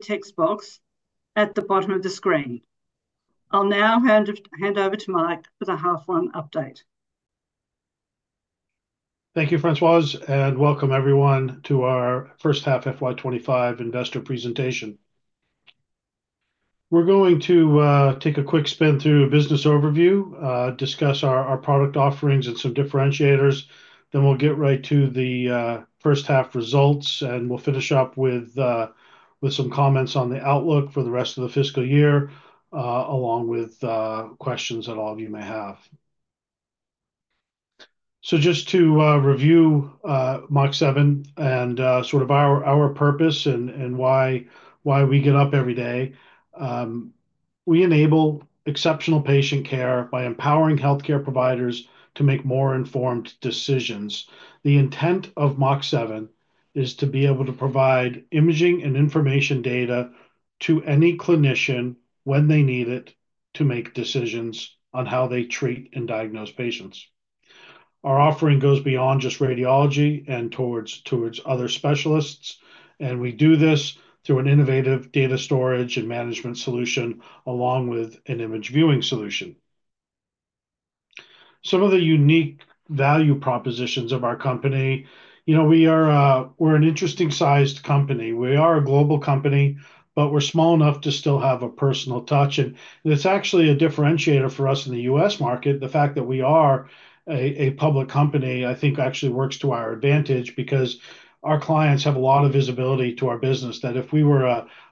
Text box at the bottom of the screen. I'll now hand over to Mike for the half-one update. Thank you, François, and welcome everyone to our first half FY25 investor presentation. We're going to take a quick spin through a business overview, discuss our product offerings and some differentiators, then we'll get right to the first half results, and we'll finish up with some comments on the outlook for the rest of the fiscal year, along with questions that all of you may have. Just to review Mach7 and sort of our purpose and why we get up every day, we enable exceptional patient care by empowering healthcare providers to make more informed decisions. The intent of Mach7 is to be able to provide imaging and information data to any clinician when they need it to make decisions on how they treat and diagnose patients. Our offering goes beyond just radiology and towards other specialists, and we do this through an innovative data storage and management solution along with an image viewing solution. Some of the unique value propositions of our company, we're an interesting-sized company. We are a global company, but we're small enough to still have a personal touch. It is actually a differentiator for us in the U.S. market. The fact that we are a public company, I think, actually works to our advantage because our clients have a lot of visibility to our business, that if we were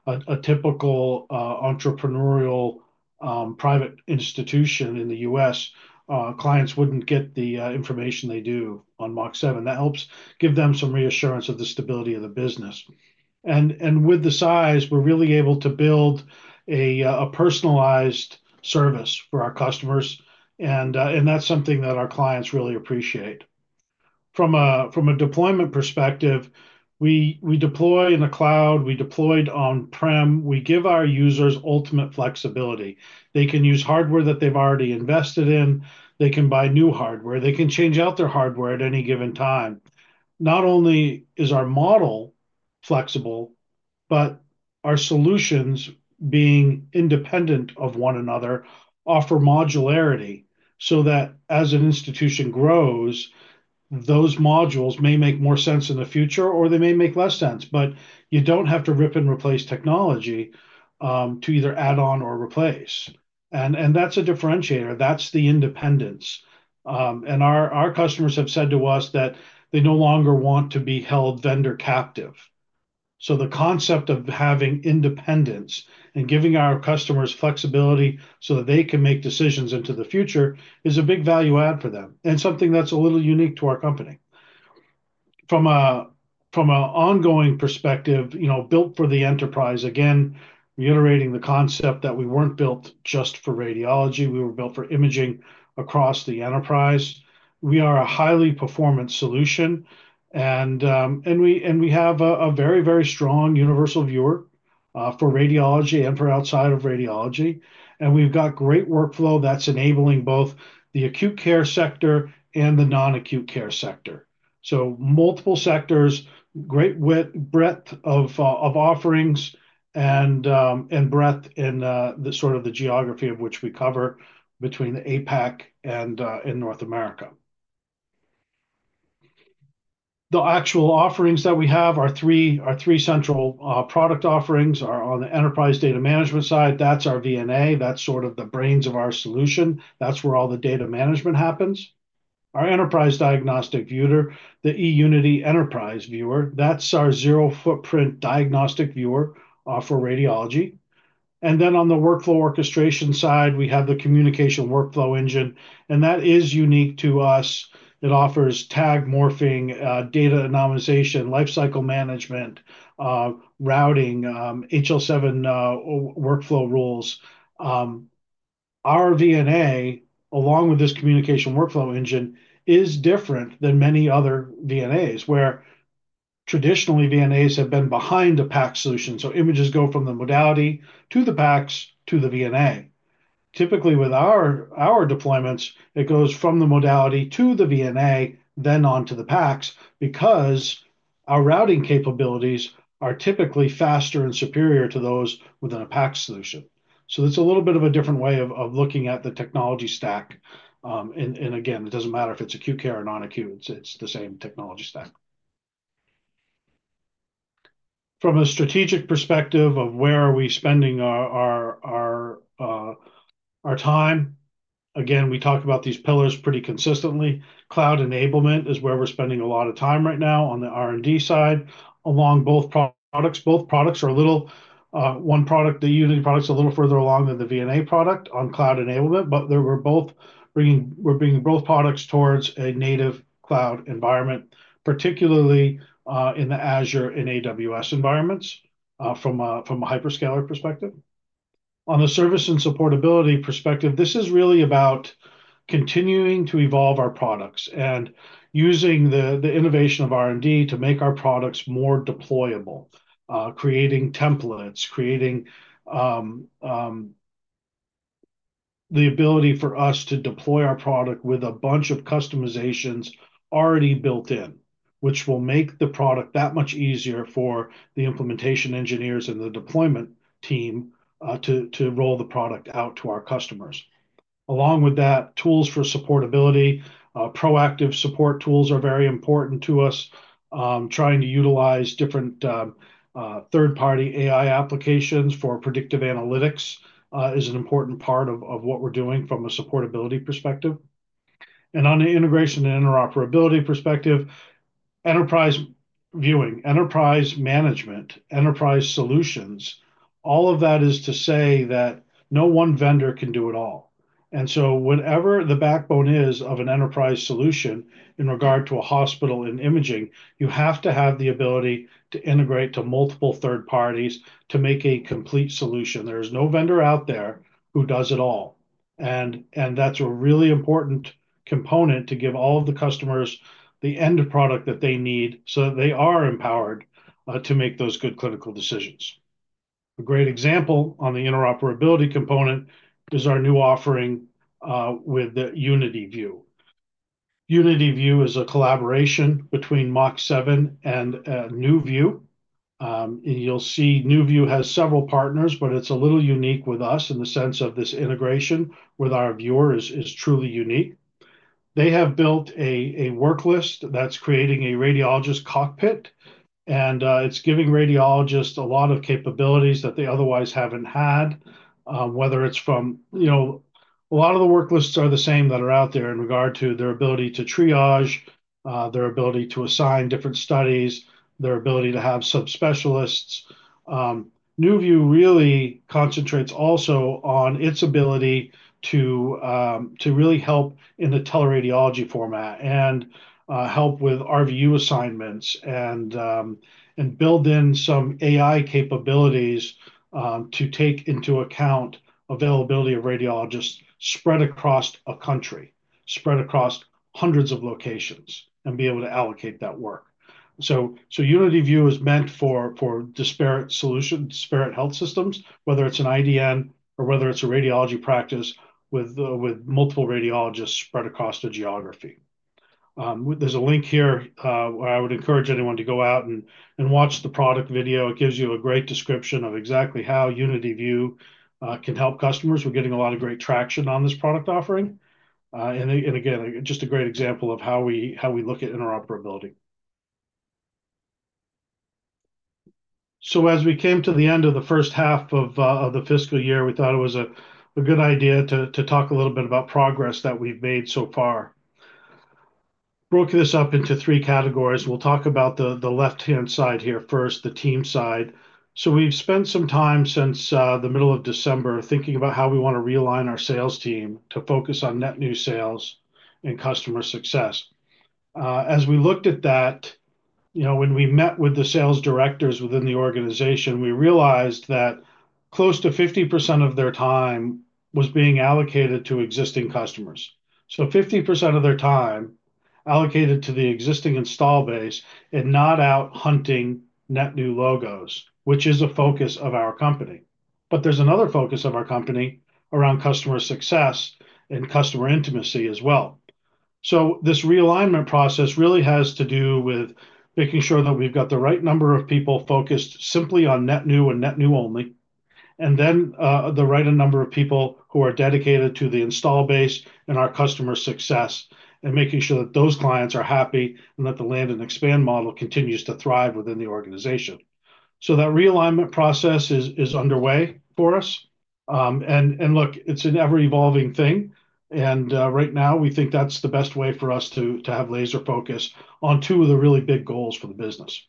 a typical entrepreneurial private institution in the U.S., clients wouldn't get the information they do on Mach7. That helps give them some reassurance of the stability of the business. With the size, we're really able to build a personalized service for our customers, and that's something that our clients really appreciate. From a deployment perspective, we deploy in the cloud, we deployed on-prem, we give our users ultimate flexibility. They can use hardware that they've already invested in, they can buy new hardware, they can change out their hardware at any given time. Not only is our model flexible, but our solutions, being independent of one another, offer modularity so that as an institution grows, those modules may make more sense in the future or they may make less sense, but you don't have to rip and replace technology to either add on or replace. That's a differentiator. That's the independence. Our customers have said to us that they no longer want to be held vendor captive. The concept of having independence and giving our customers flexibility so that they can make decisions into the future is a big value add for them and something that's a little unique to our company. From an ongoing perspective, built for the enterprise, again, reiterating the concept that we weren't built just for radiology, we were built for imaging across the enterprise. We are a highly performant solution, and we have a very, very strong universal viewer for radiology and for outside of radiology. We've got great workflow that's enabling both the acute care sector and the non-acute care sector. Multiple sectors, great breadth of offerings and breadth in the sort of the geography of which we cover between the APAC and North America. The actual offerings that we have are three central product offerings on the enterprise data management side. That's our VNA. That's sort of the brains of our solution. That's where all the data management happens. Our enterprise diagnostic viewer, the eUnity Enterprise Viewer, that's our zero-footprint diagnostic viewer for radiology. On the workflow orchestration side, we have the Communication Workflow Engine, and that is unique to us. It offers tag morphing, data anonymization, lifecycle management, routing, HL7 workflow rules. Our VNA, along with this Communication Workflow Engine, is different than many other VNAs, where traditionally VNAs have been behind the PACS solution. Images go from the modality to the PACS to the VNA. Typically, with our deployments, it goes from the modality to the VNA, then on to the PACS because our routing capabilities are typically faster and superior to those within a PACS solution. That's a little bit of a different way of looking at the technology stack. It does not matter if it is acute care or non-acute, it is the same technology stack. From a strategic perspective of where are we spending our time, we talk about these pillars pretty consistently. Cloud enablement is where we are spending a lot of time right now on the R&D side, along both products. Both products are a little one product, the Unity products, a little further along than the VNA product on cloud enablement, but we are bringing both products towards a native cloud environment, particularly in the Azure and AWS environments from a hyperscaler perspective. On the service and supportability perspective, this is really about continuing to evolve our products and using the innovation of R&D to make our products more deployable, creating templates, creating the ability for us to deploy our product with a bunch of customizations already built in, which will make the product that much easier for the implementation engineers and the deployment team to roll the product out to our customers. Along with that, tools for supportability, proactive support tools are very important to us. Trying to utilize different third-party AI applications for predictive analytics is an important part of what we're doing from a supportability perspective. On the integration and interoperability perspective, enterprise viewing, enterprise management, enterprise solutions, all of that is to say that no one vendor can do it all. Whatever the backbone is of an enterprise solution in regard to a hospital and imaging, you have to have the ability to integrate to multiple third parties to make a complete solution. There is no vendor out there who does it all. That is a really important component to give all of the customers the end product that they need so that they are empowered to make those good clinical decisions. A great example on the interoperability component is our new offering with the UnityVue. UnityVue is a collaboration between Mach7 and NewVue. You'll see NewVue has several partners, but it is a little unique with us in the sense of this integration with our viewer is truly unique. They have built a worklist that's creating a radiologist cockpit, and it's giving radiologists a lot of capabilities that they otherwise haven't had, whether it's from a lot of the worklists that are the same that are out there in regard to their ability to triage, their ability to assign different studies, their ability to have subspecialists. NewVue really concentrates also on its ability to really help in the teleradiology format and help with RVU assignments and build in some AI capabilities to take into account availability of radiologists spread across a country, spread across hundreds of locations, and be able to allocate that work. UnityVue is meant for disparate health systems, whether it's an IDN or whether it's a radiology practice with multiple radiologists spread across the geography. There's a link here where I would encourage anyone to go out and watch the product video. It gives you a great description of exactly how UnityVue can help customers. We're getting a lot of great traction on this product offering. Again, just a great example of how we look at interoperability. As we came to the end of the first half of the fiscal year, we thought it was a good idea to talk a little bit about progress that we've made so far. Broke this up into three categories. We'll talk about the left-hand side here first, the team side. We've spent some time since the middle of December thinking about how we want to realign our sales team to focus on net new sales and customer success. As we looked at that, when we met with the sales directors within the organization, we realized that close to 50% of their time was being allocated to existing customers. Fifty percent of their time allocated to the existing install base and not out hunting net new logos, which is a focus of our company. There is another focus of our company around customer success and customer intimacy as well. This realignment process really has to do with making sure that we've got the right number of people focused simply on net new and net new only, and then the right number of people who are dedicated to the install base and our customer success and making sure that those clients are happy and that the land and expand model continues to thrive within the organization. That realignment process is underway for us. Look, it's an ever-evolving thing. Right now, we think that's the best way for us to have laser focus on two of the really big goals for the business.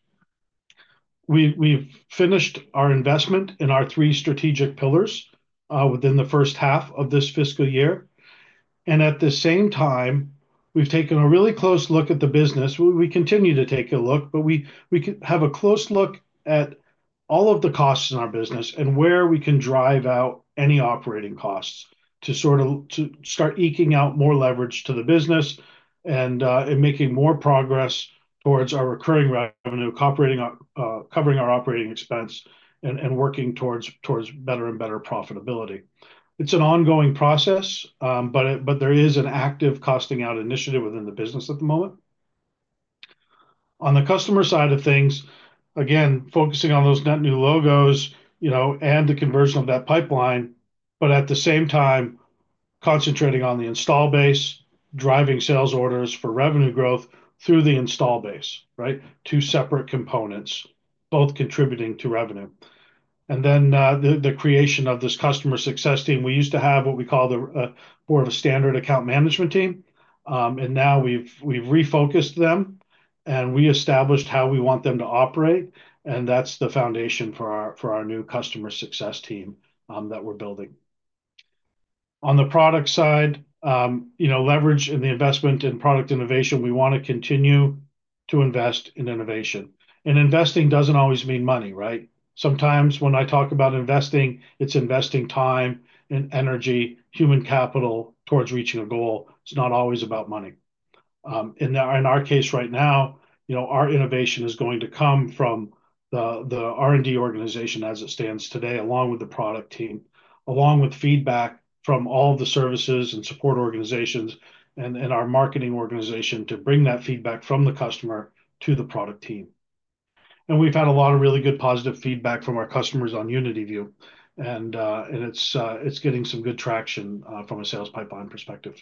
We've finished our investment in our three strategic pillars within the first half of this fiscal year. At the same time, we've taken a really close look at the business. We continue to take a look, but we have a close look at all of the costs in our business and where we can drive out any operating costs to sort of start eking out more leverage to the business and making more progress towards our recurring revenue, covering our operating expense and working towards better and better profitability. It's an ongoing process, but there is an active costing out initiative within the business at the moment. On the customer side of things, again, focusing on those net new logos and the conversion of that pipeline, but at the same time, concentrating on the install base, driving sales orders for revenue growth through the install base, right? Two separate components, both contributing to revenue. The creation of this customer success team. We used to have what we call more of a standard account management team. We have refocused them, and we established how we want them to operate. That is the foundation for our new customer success team that we are building. On the product side, leverage in the investment in product innovation, we want to continue to invest in innovation. Investing does not always mean money, right? Sometimes when I talk about investing, it is investing time and energy, human capital towards reaching a goal. It is not always about money. In our case right now, our innovation is going to come from the R&D organization as it stands today, along with the product team, along with feedback from all the services and support organizations and our marketing organization to bring that feedback from the customer to the product team. We have had a lot of really good positive feedback from our customers on UnityVue. It is getting some good traction from a sales pipeline perspective.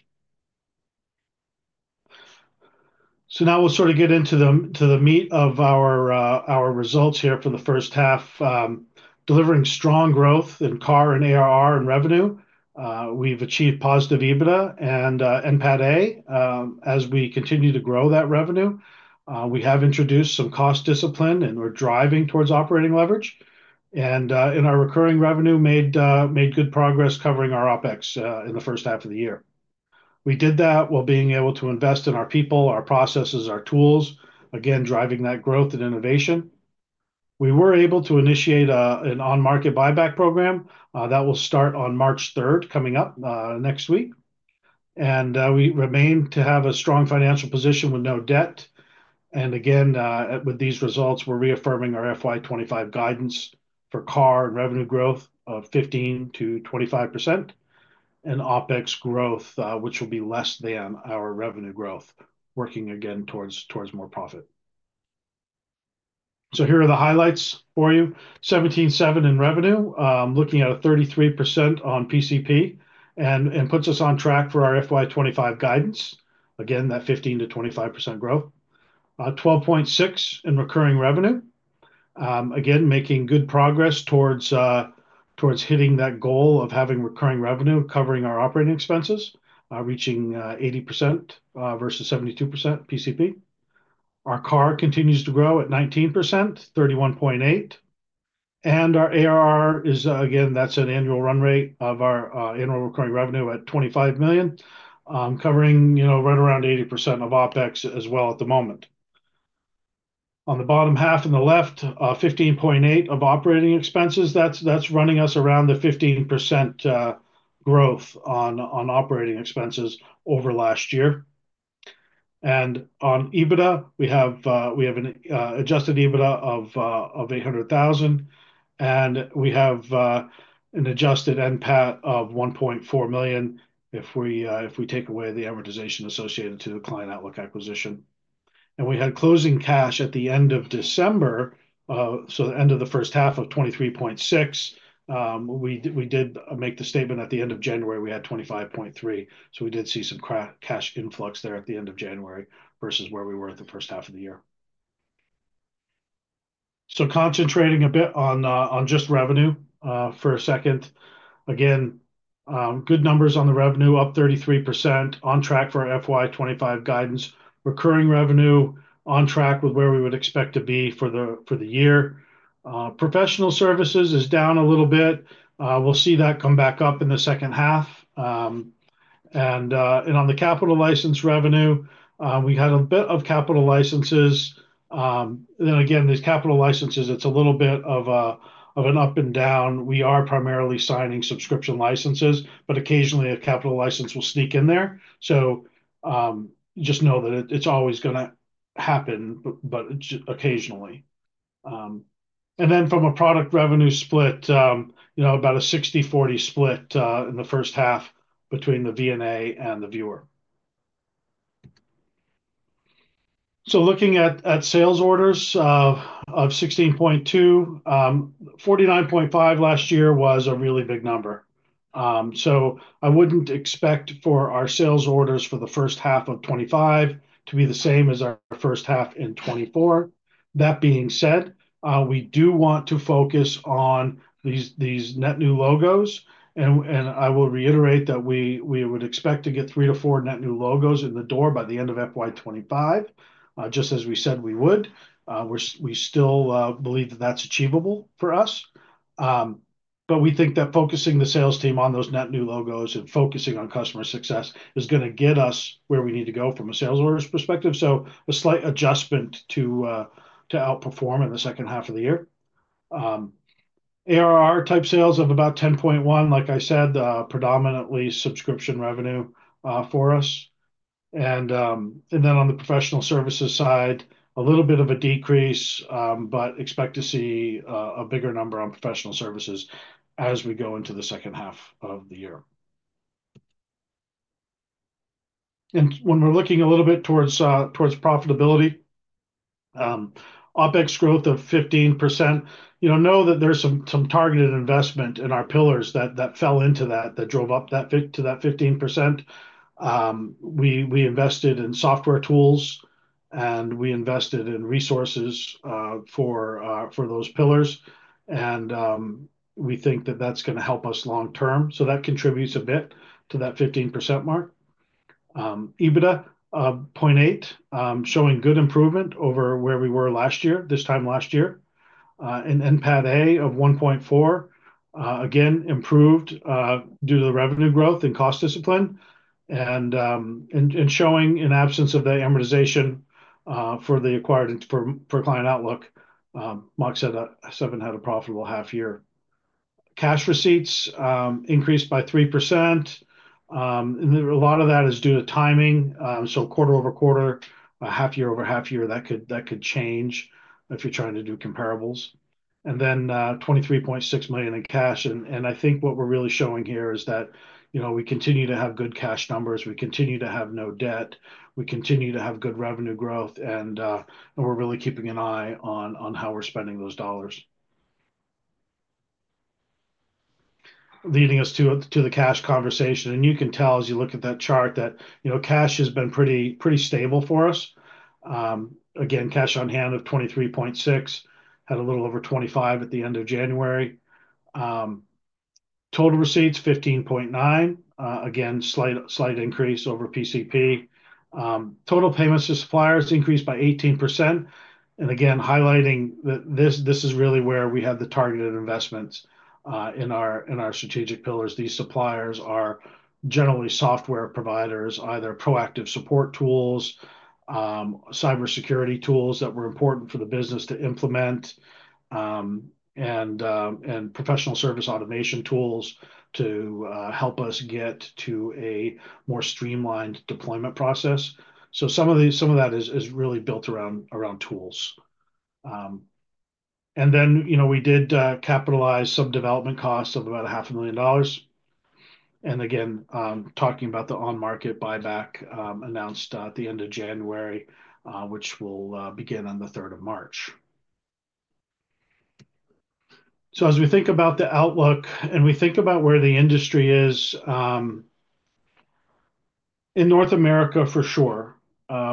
Now we will sort of get into the meat of our results here for the first half. Delivering strong growth in CARR and ARR and revenue. We have achieved positive EBITDA and NPATA as we continue to grow that revenue. We have introduced some cost discipline, and we are driving towards operating leverage. In our recurring revenue, we made good progress covering our OpEx in the first half of the year. We did that while being able to invest in our people, our processes, our tools, again, driving that growth and innovation. We were able to initiate an on-market buyback program that will start on March 3, coming up next week. We remain to have a strong financial position with no debt. Again, with these results, we are reaffirming our FY2025 guidance for CARR and revenue growth of 15%-25% and OpEx growth, which will be less than our revenue growth, working again towards more profit. Here are the highlights for you. $17.7 million in revenue, looking at a 33% on PCP, and puts us on track for our FY2025 guidance. Again, that 15%-25% growth. $12.6 million in recurring revenue. Again, making good progress towards hitting that goal of having recurring revenue covering our operating expenses, reaching 80% versus 72% PCP. Our CARR continues to grow at 19%, 31.8. And our ARR is, again, that's an annual run rate of our annual recurring revenue at $25 million, covering right around 80% of OpEx as well at the moment. On the bottom half on the left, $15.8 million of operating expenses. That's running us around the 15% growth on operating expenses over last year. And on EBITDA, we have an adjusted EBITDA of $800,000. And we have an adjusted NPAT of $1.4 million if we take away the amortization associated to the Client Outlook acquisition. We had closing cash at the end of December, so the end of the first half, of $23.6 million. We did make the statement at the end of January, we had $25.3 million. We did see some cash influx there at the end of January versus where we were at the first half of the year. Concentrating a bit on just revenue for a second. Again, good numbers on the revenue, up 33%, on track for FY2025 guidance. Recurring revenue on track with where we would expect to be for the year. Professional services is down a little bit. We will see that come back up in the second half. On the capital license revenue, we had a bit of capital licenses. These capital licenses, it is a little bit of an up and down. We are primarily signing subscription licenses, but occasionally a capital license will sneak in there. Just know that it is always going to happen, but occasionally. From a product revenue split, about a 60/40 split in the first half between the VNA and the viewer. Looking at sales orders of $16.2 million, $49.5 million last year was a really big number. I would not expect our sales orders for the first half of 2025 to be the same as our first half in 2024. That being said, we do want to focus on these net new logos. I will reiterate that we would expect to get three to four net new logos in the door by the end of FY2025, just as we said we would. We still believe that is achievable for us. We think that focusing the sales team on those net new logos and focusing on customer success is going to get us where we need to go from a sales orders perspective. A slight adjustment to outperform in the second half of the year. ARR type sales of about $10.1 million, like I said, predominantly subscription revenue for us. On the professional services side, a little bit of a decrease, but expect to see a bigger number on professional services as we go into the second half of the year. When we're looking a little bit towards profitability, OpEx growth of 15%. Know that there's some targeted investment in our pillars that fell into that that drove up to that 15%. We invested in software tools, and we invested in resources for those pillars. We think that that's going to help us long-term. That contributes a bit to that 15% mark. EBITDA of $0.8 million, showing good improvement over where we were last year, this time last year. NPATA of $1.4 million, again, improved due to the revenue growth and cost discipline. Showing in absence of the amortization for the acquired Client Outlook, Mach7 had a profitable half-year. Cash receipts increased by 3%. A lot of that is due to timing. Quarter-over-quarter, half-year over half-year, that could change if you're trying to do comparables. $23.6 million in cash. What we're really showing here is that we continue to have good cash numbers. We continue to have no debt. We continue to have good revenue growth. We're really keeping an eye on how we're spending those dollars. That leads us to the cash conversation. You can tell as you look at that chart that cash has been pretty stable for us. Cash on hand of $23.6 million, had a little over $25 million at the end of January. Total receipts $15.9 million, slight increase over PCP. Total payments to suppliers increased by 18%. Highlighting that this is really where we have the targeted investments in our strategic pillars. These suppliers are generally software providers, either proactive support tools, cybersecurity tools that were important for the business to implement, and professional service automation tools to help us get to a more streamlined deployment process. Some of that is really built around tools. We did capitalize some development costs of about $500,000. Again, talking about the on-market buyback announced at the end of January, which will begin on the 3rd of March. As we think about the outlook and we think about where the industry is, in North America, for sure,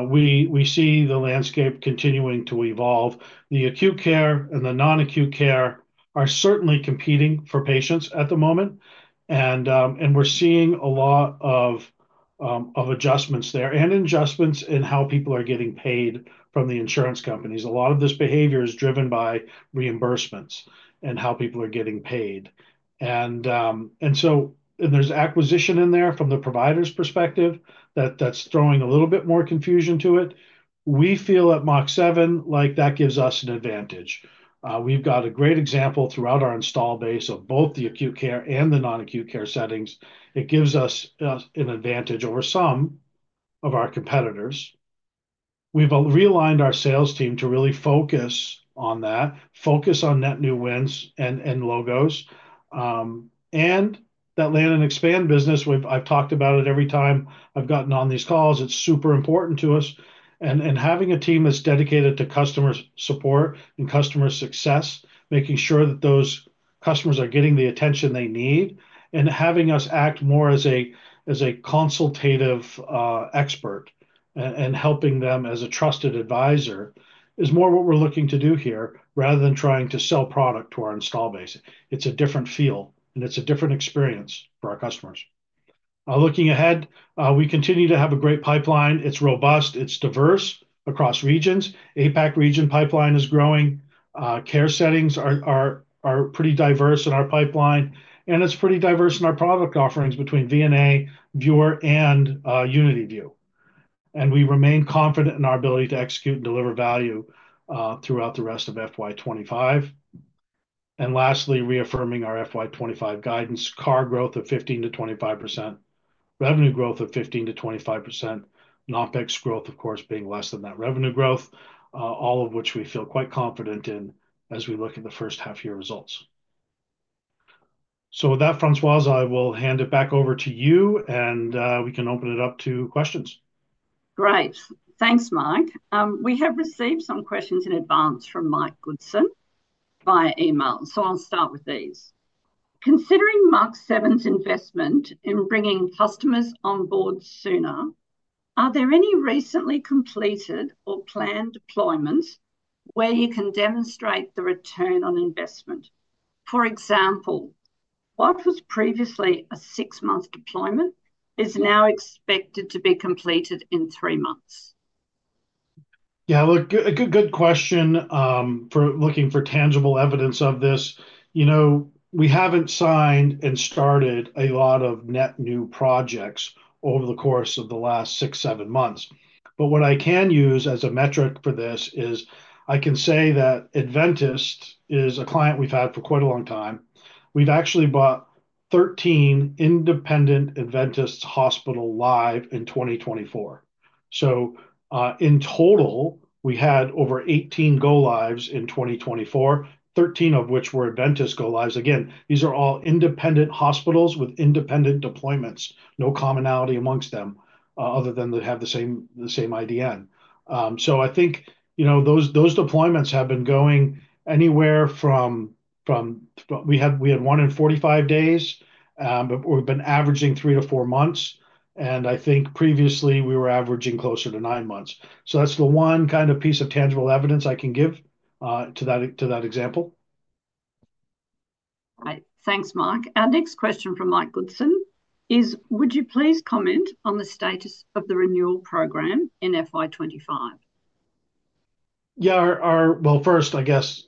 we see the landscape continuing to evolve. The acute care and the non-acute care are certainly competing for patients at the moment. We are seeing a lot of adjustments there and adjustments in how people are getting paid from the insurance companies. A lot of this behavior is driven by reimbursements and how people are getting paid. There's acquisition in there from the provider's perspective that's throwing a little bit more confusion to it. We feel at Mach7 like that gives us an advantage. We've got a great example throughout our install base of both the acute care and the non-acute care settings. It gives us an advantage over some of our competitors. We've realigned our sales team to really focus on that, focus on net new wins and logos. That land and expand business, I've talked about it every time I've gotten on these calls. It's super important to us. Having a team that's dedicated to customer support and customer success, making sure that those customers are getting the attention they need, and having us act more as a consultative expert and helping them as a trusted advisor is more what we're looking to do here rather than trying to sell product to our install base. It's a different feel, and it's a different experience for our customers. Looking ahead, we continue to have a great pipeline. It's robust. It's diverse across regions. APAC region pipeline is growing. Care settings are pretty diverse in our pipeline. It's pretty diverse in our product offerings between VNA, Viewer, and UnityVue. We remain confident in our ability to execute and deliver value throughout the rest of FY2025. Lastly, reaffirming our FY2025 guidance, CARR growth of 15%-25%, revenue growth of 15%-25%, and OpEx growth, of course, being less than that revenue growth, all of which we feel quite confident in as we look at the first half-year results. With that, François, I will hand it back over to you, and we can open it up to questions. Great. Thanks, Mike. We have received some questions in advance from Mike Goodson via email. I will start with these. Considering Mach7's investment in bringing customers on board sooner, are there any recently completed or planned deployments where you can demonstrate the return on investment? For example, what was previously a six-month deployment is now expected to be completed in three months? Yeah, a good question for looking for tangible evidence of this. We haven't signed and started a lot of net new projects over the course of the last six, seven months. What I can use as a metric for this is I can say that Adventist is a client we've had for quite a long time. We've actually brought 13 independent Adventist hospitals live in 2024. In total, we had over 18 go-lives in 2024, 13 of which were Adventist go-lives. These are all independent hospitals with independent deployments, no commonality amongst them other than they have the same IDN. I think those deployments have been going anywhere from we had one in 45 days, but we've been averaging three to four months. I think previously we were averaging closer to nine months. That's the one kind of piece of tangible evidence I can give to that example. Thanks, Mike. Our next question from Mike Goodson is, would you please comment on the status of the renewal program in FY2025? Yeah. First, I guess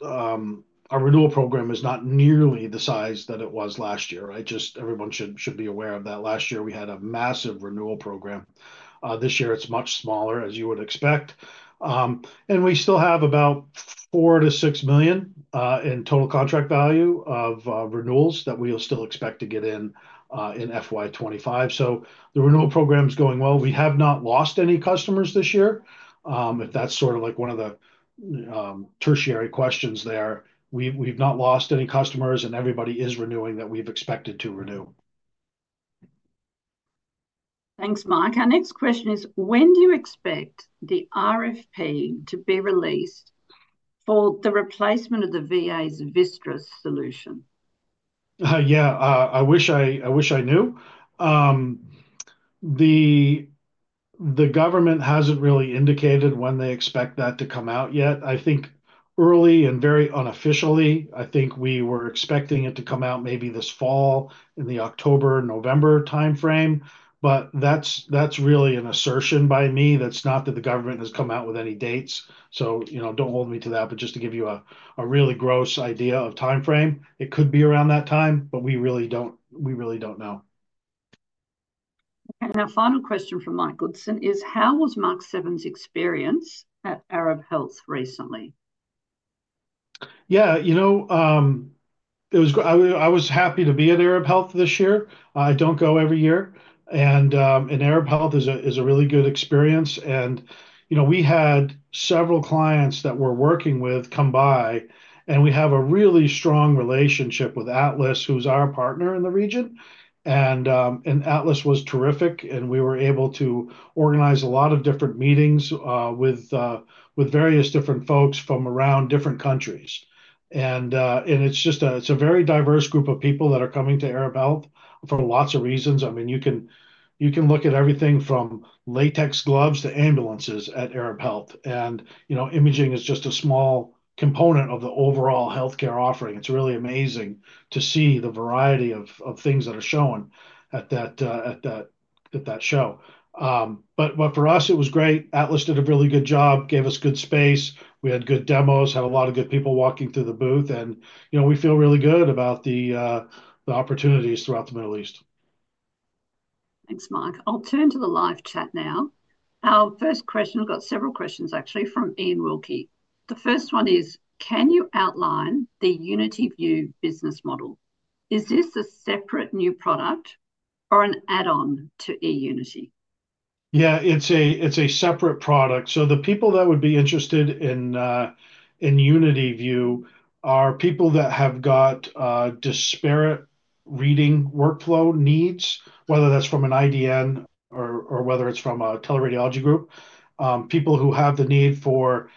our renewal program is not nearly the size that it was last year. Everyone should be aware of that. Last year, we had a massive renewal program. This year, it's much smaller, as you would expect. We still have about $4 million-$6 million in total contract value of renewals that we'll still expect to get in in FY2025. The renewal program is going well. We have not lost any customers this year. If that's sort of like one of the tertiary questions there, we've not lost any customers, and everybody is renewing that we've expected to renew. Thanks, Mike. Our next question is, when do you expect the RFP to be released for the replacement of the VA's VistA solution? Yeah, I wish I knew. The government hasn't really indicated when they expect that to come out yet. I think early and very unofficially, I think we were expecting it to come out maybe this fall in the October/November timeframe. That is really an assertion by me. That is not that the government has come out with any dates. Do not hold me to that, but just to give you a really gross idea of timeframe, it could be around that time, but we really do not know. Our final question from Mike Goodson is, how was Mach7's experience at Arab Health recently? Yeah. I was happy to be at Arab Health this year. I don't go every year. Arab Health is a really good experience. We had several clients that we're working with come by. We have a really strong relationship with Atlas, who's our partner in the region. Atlas was terrific. We were able to organize a lot of different meetings with various different folks from around different countries. It's a very diverse group of people that are coming to Arab Health for lots of reasons. I mean, you can look at everything from latex gloves to ambulances at Arab Health. Imaging is just a small component of the overall healthcare offering. It's really amazing to see the variety of things that are shown at that show. For us, it was great. Atlas did a really good job, gave us good space. We had good demos, had a lot of good people walking through the booth. We feel really good about the opportunities throughout the Middle East. Thanks, Mike. I'll turn to the live chat now. Our first question, we've got several questions, actually, from Iain Wilkie. The first one is, can you outline the UnityVue business model? Is this a separate new product or an add-on to eUnity? Yeah, it's a separate product. The people that would be interested in UnityVue are people that have got disparate reading workflow needs, whether that's from an IDN or whether it's from a teleradiology group. People who have the need for,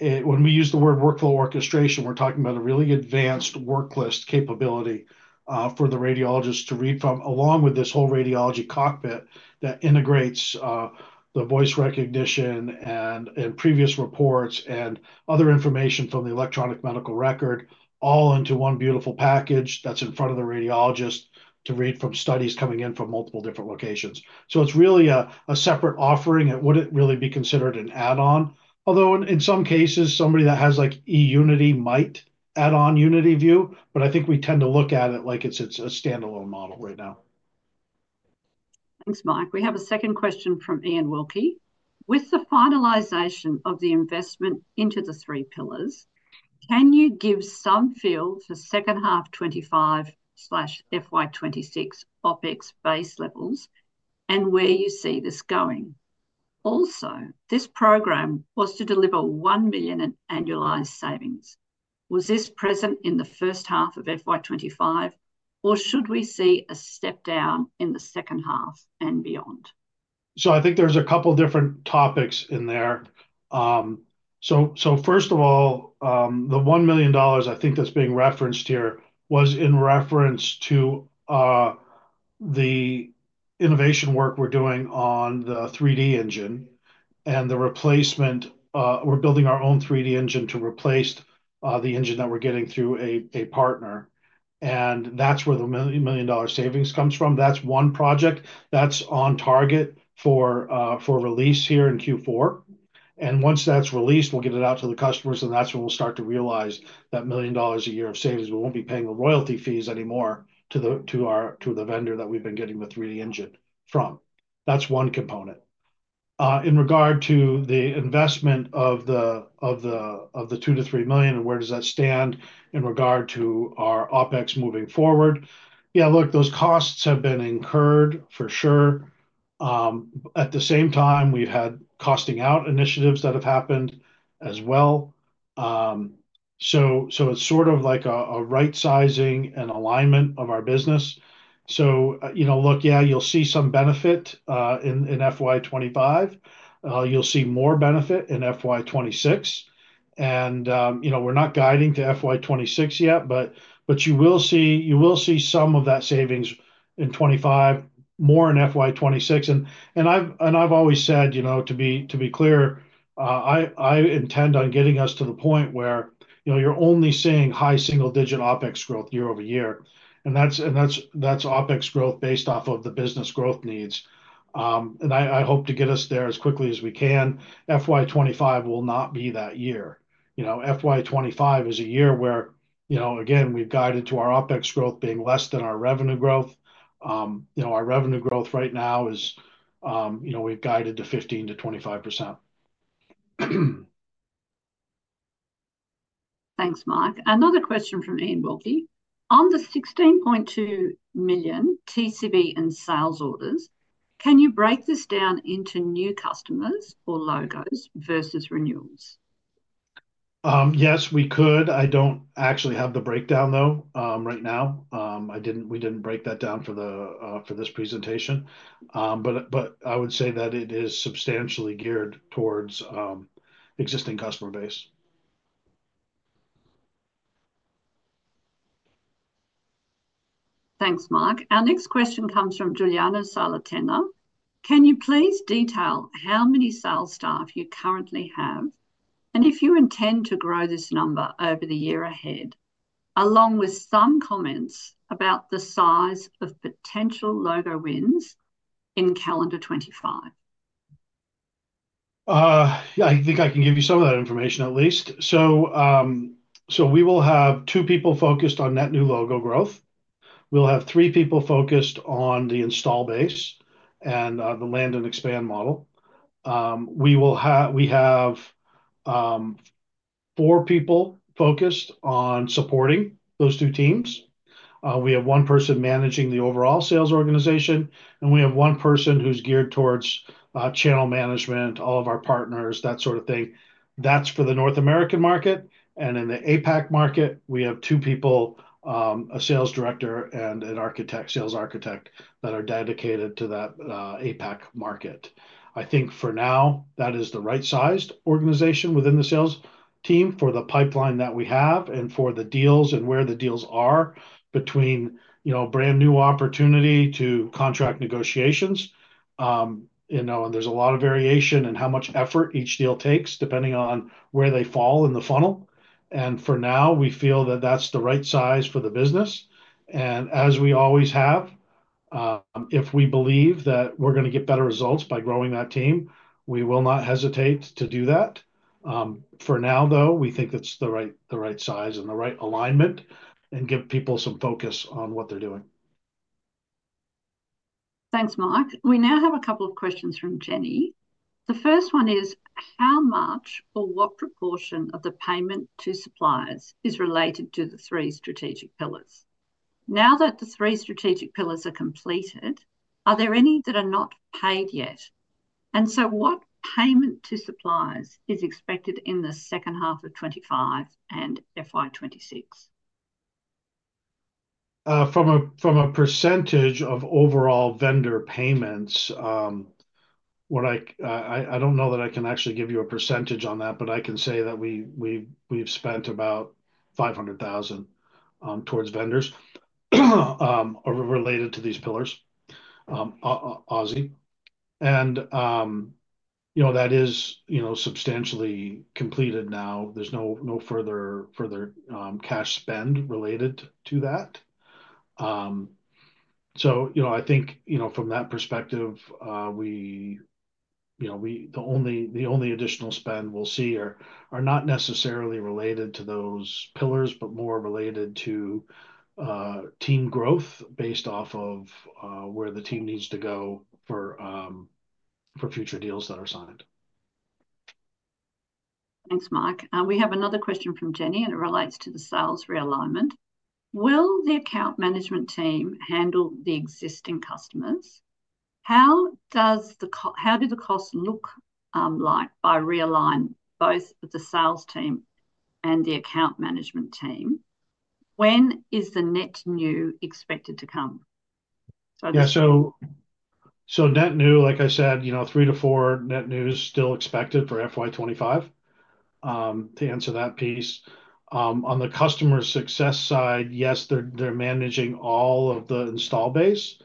when we use the word workflow orchestration, we're talking about a really advanced worklist capability for the radiologist to read from, along with this whole radiology cockpit that integrates the voice recognition and previous reports and other information from the electronic medical record, all into one beautiful package that's in front of the radiologist to read from studies coming in from multiple different locations. It's really a separate offering. It wouldn't really be considered an add-on. Although in some cases, somebody that has eUnity might add on UnityVue. I think we tend to look at it like it's a standalone model right now. Thanks, Mike. We have a second question from Ian Wilkie. With the finalization of the investment into the three pillars, can you give some feel for second half 2025 slash FY2026 OpEx base levels and where you see this going? Also, this program was to deliver $1 million in annualized savings. Was this present in the first half of FY2025, or should we see a step down in the second half and beyond? I think there's a couple of different topics in there. First of all, the $1 million, I think that's being referenced here, was in reference to the innovation work we're doing on the 3D engine and the replacement. We're building our own 3D engine to replace the engine that we're getting through a partner. That's where the million-dollar savings comes from. That's one project that's on target for release here in Q4. Once that's released, we'll get it out to the customers. That's when we'll start to realize that million dollars a year of savings. We won't be paying the royalty fees anymore to the vendor that we've been getting the 3D engine from. That's one component. In regard to the investment of the $2 million-$3 million, and where does that stand in regard to our OpEx moving forward? Yeah, look, those costs have been incurred for sure. At the same time, we've had costing out initiatives that have happened as well. It's sort of like a right-sizing and alignment of our business. Yeah, you'll see some benefit in FY2025. You'll see more benefit in FY2026. We're not guiding to FY2026 yet, but you will see some of that savings in 2025, more in FY2026. I've always said, to be clear, I intend on getting us to the point where you're only seeing high single-digit OpEx growth year-over-year. That's OpEx growth based off of the business growth needs. I hope to get us there as quickly as we can. FY2025 will not be that year. FY2025 is a year where, again, we've guided to our OpEx growth being less than our revenue growth. Our revenue growth right now is we've guided to 15%-25%. Thanks, Mike. Another question from Ian Wilkie. On the $16.2 million TCV and sales orders, can you break this down into new customers or logos versus renewals? Yes, we could. I don't actually have the breakdown, though, right now. We didn't break that down for this presentation. I would say that it is substantially geared towards existing customer base. Thanks, Mike. Our next question comes from Juliana Salatena. Can you please detail how many sales staff you currently have and if you intend to grow this number over the year ahead, along with some comments about the size of potential logo wins in calendar 2025? I think I can give you some of that information, at least. We will have two people focused on net new logo growth. We'll have three people focused on the install base and the land and expand model. We have four people focused on supporting those two teams. We have one person managing the overall sales organization, and we have one person who's geared towards channel management, all of our partners, that sort of thing. That's for the North American market. In the APAC market, we have two people, a sales director and a sales architect that are dedicated to that APAC market. I think for now, that is the right-sized organization within the sales team for the pipeline that we have and for the deals and where the deals are between brand new opportunity to contract negotiations. There is a lot of variation in how much effort each deal takes depending on where they fall in the funnel. For now, we feel that is the right size for the business. As we always have, if we believe that we are going to get better results by growing that team, we will not hesitate to do that. For now, though, we think that is the right size and the right alignment and give people some focus on what they are doing. Thanks, Mike. We now have a couple of questions from Jenny. The first one is, how much or what proportion of the payment to suppliers is related to the three strategic pillars? Now that the three strategic pillars are completed, are there any that are not paid yet? What payment to suppliers is expected in the second half of 2025 and FY2026? From a percentage of overall vendor payments, I don't know that I can actually give you a percentage on that, but I can say that we've spent about $500,000 towards vendors related to these pillars, or so. That is substantially completed now. There's no further cash spend related to that. I think from that perspective, the only additional spend we'll see are not necessarily related to those pillars, but more related to team growth based off of where the team needs to go for future deals that are signed. Thanks, Mike. We have another question from Jenny, and it relates to the sales realignment. Will the account management team handle the existing customers? How do the costs look like by realign both the sales team and the account management team? When is the net new expected to come? Yeah. Net new, like I said, three to four net news still expected for FY2025 to answer that piece. On the customer success side, yes, they're managing all of the install base.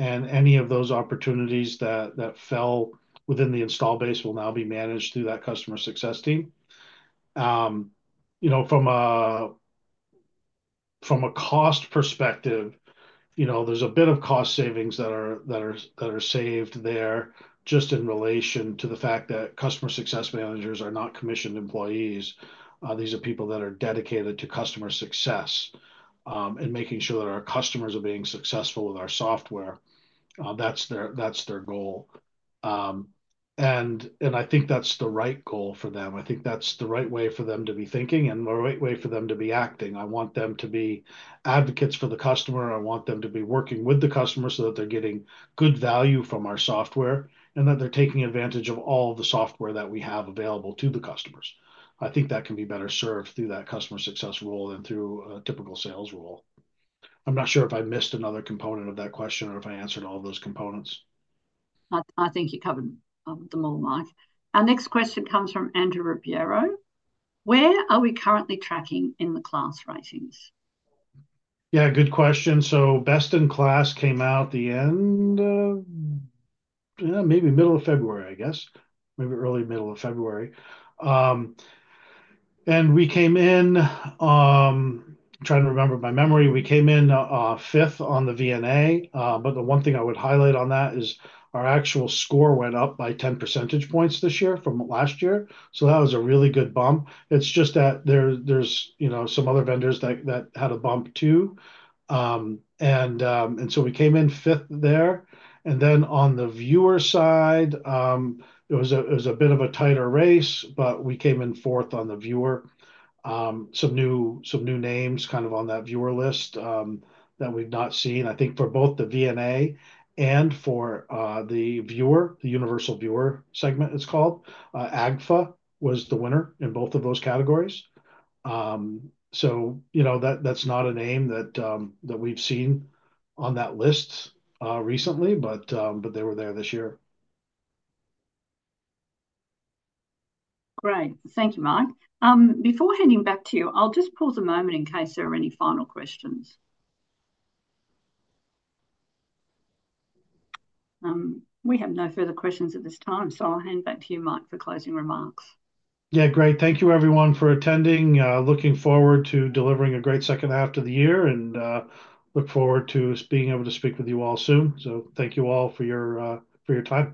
Any of those opportunities that fell within the install base will now be managed through that customer success team. From a cost perspective, there's a bit of cost savings that are saved there just in relation to the fact that customer success managers are not commissioned employees. These are people that are dedicated to customer success and making sure that our customers are being successful with our software. That's their goal. I think that's the right goal for them. I think that's the right way for them to be thinking and the right way for them to be acting. I want them to be advocates for the customer. I want them to be working with the customer so that they're getting good value from our software and that they're taking advantage of all of the software that we have available to the customers. I think that can be better served through that customer success role than through a typical sales role. I'm not sure if I missed another component of that question or if I answered all of those components. I think you covered them all, Mike. Our next question comes from Andrew Ribeiro. Where are we currently tracking in the KLAS ratings? Yeah, good question. Best in KLAS came out the end of maybe middle of February, I guess, maybe early middle of February. We came in, trying to remember my memory, we came in fifth on the VNA. The one thing I would highlight on that is our actual score went up by 10 percentage points this year from last year. That was a really good bump. It's just that there are some other vendors that had a bump too. We came in fifth there. On the viewer side, it was a bit of a tighter race, but we came in fourth on the viewer. Some new names kind of on that viewer list that we've not seen. I think for both the VNA and for the viewer, the universal viewer segment, it's called, Agfa was the winner in both of those categories. That's not a name that we've seen on that list recently, but they were there this year. Great. Thank you, Mike. Before handing back to you, I'll just pause a moment in case there are any final questions. We have no further questions at this time. I will hand back to you, Mike, for closing remarks. Yeah, great. Thank you, everyone, for attending. Looking forward to delivering a great second half to the year and look forward to being able to speak with you all soon. Thank you all for your time.